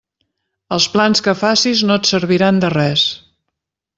Els plans que facis no et serviran de res.